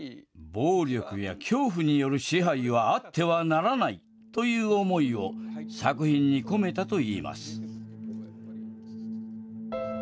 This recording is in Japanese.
暴力や恐怖による支配はあってはならないという思いを、作品に込めたといいます。